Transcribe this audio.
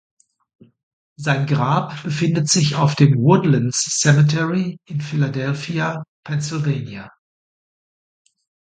Sein Grab befindet sich auf dem "Woodlands Cemetery" in Philadelphia, Pennsylvania.